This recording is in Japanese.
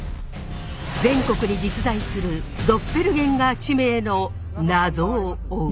全国に実在するドッペルゲンガー地名の謎を追う。